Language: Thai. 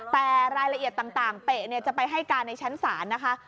แต่รายละเอียดต่างเปะจะไปให้การในชั้นศาลนะคะ